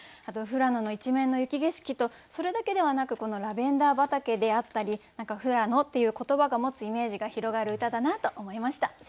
あと富良野の一面の雪景色とそれだけではなくラベンダー畑であったり何か「富良野」っていう言葉が持つイメージが広がる歌だなと思いました。